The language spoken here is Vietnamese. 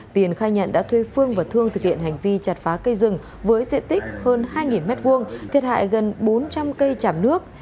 tiền khai nhận đã thuê phương và thương thực hiện hành vi chặt phá cây rừng với diện tích hơn hai m hai thiệt hại gần bốn trăm linh cây chảm nước